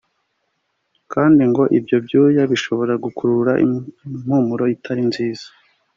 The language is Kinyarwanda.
kandi ngo ibyo byuya bishobora gukurura impumuro itari nziza